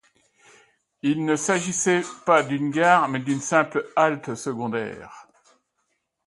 Il ne s’agissait pas d’une gare, mais d’une simple halte secondaire.